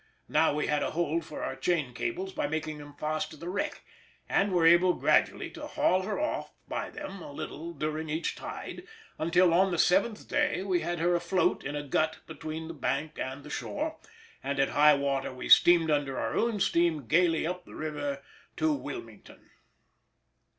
Now we had a hold for our chain cables by making them fast to the wreck, and were able gradually to haul her off by them a little during each tide, until on the seventh day we had her afloat in a gut between the bank and the shore, and at high water we steamed under our own steam gaily up the river to Wilmington.